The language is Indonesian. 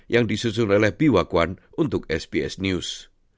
yang disusul oleh biwakwan untuk sbs news